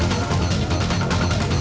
terima kasih chandra